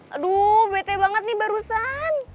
aduh bete banget nih barusan